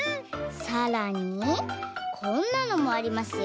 さらにこんなのもありますよ。